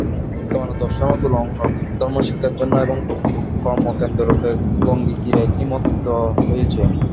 বর্তমানে দর্শন ও তুলনামূলক ধর্মশিক্ষার জন্য এবং কর্মকেন্দ্ররূপে গঙ্গাতীরে একটি মঠ হয়েছে।